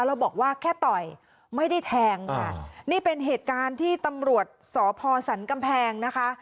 แล้วบอกว่าแค่ต่อยไม่ได้แทงค่ะนี่เป็นเหตุการณ์ที่ตำรวจสพสันกำแพงนะคะ